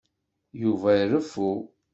Yuba ireffu.